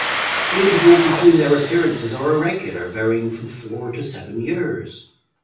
The intervals between their appearances are irregular, varying from four to seven years.